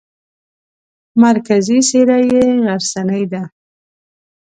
مرکزي څېره یې غرڅنۍ ده.